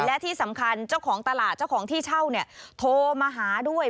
และที่สำคัญเจ้าของตลาดเจ้าของที่เช่าเนี่ยโทรมาหาด้วย